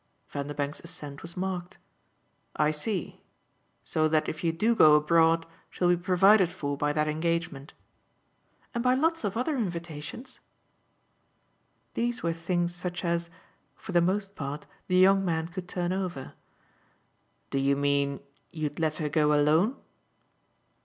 Vanderbank's assent was marked. "I see: so that if you do go abroad she'll be provided for by that engagement." "And by lots of other invitations." These were such things as, for the most part, the young man could turn over. "Do you mean you'd let her go alone